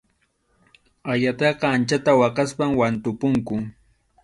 Ayataqa anchata waqaspam wantupunku.